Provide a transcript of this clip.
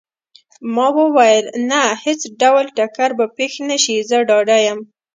ما وویل: نه، هیڅ ډول ټکر به پېښ نه شي، زه ډاډه یم.